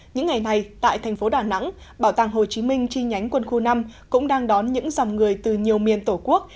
những ngày này tại thành phố đà nẵng bảo tàng hồ chí minh chi nhánh quân khu năm cũng đang đón những dòng người từ nhiều miền tổ quốc